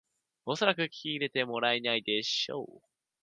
おそらく聞き入れてもらえないでしょう